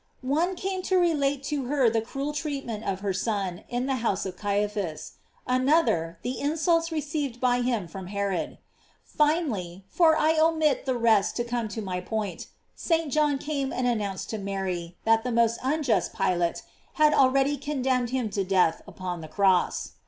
"J One came to relate to her the cruel treatment of her Son in the house of Caiphas; another, the insulta received by him from Herod. Finally, for I omit the rest to come to my point, St. John came and announced to Mary that the most unjust Pilate had already condemned him to death upon the cross.